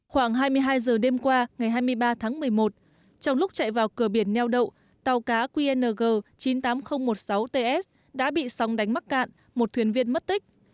khoảng hai mươi hai giờ đêm qua ngày hai mươi ba tháng một mươi một trong lúc chạy vào cửa biển neo đậu tàu cá qng chín mươi tám nghìn một mươi sáu ts đã bị sóng đánh mắc cạn một thuyền viên mất tích